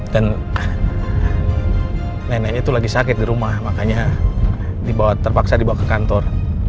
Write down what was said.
dan neneknya itu lagi sakit di rumah makanya terpaksa dibawa ke kantor